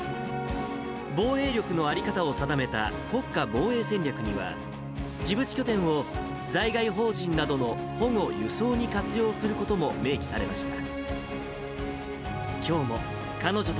防衛力の在り方を定めた国家防衛戦略には、ジブチ拠点を、在外邦人などの保護・輸送に活用することも明記されました。